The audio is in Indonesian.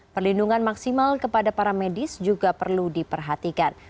perlindungan maksimal kepada para medis juga perlu diperhatikan